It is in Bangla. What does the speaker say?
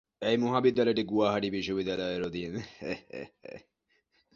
এই মহাবিদ্যালয়টি গুয়াহাটি বিশ্ববিদ্যালয়ের অধীন।